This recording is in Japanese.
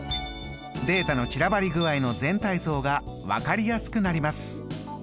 データの散らばり具合の全体像が分かりやすくなります。